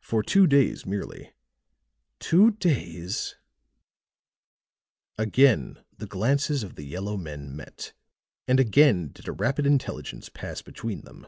"For two days merely." "Two days!" Again the glances of the yellow men met, and again did a rapid intelligence pass between them.